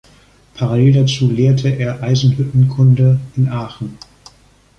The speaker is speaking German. Parallel dazu lehrte er Eisenhüttenkunde in Aachen.